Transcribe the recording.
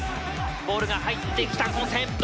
ボールが入ってきた！